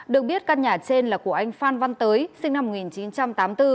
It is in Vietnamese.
được biết căn nhà trên là của anh phan văn tới sinh năm một nghìn chín trăm tám mươi bốn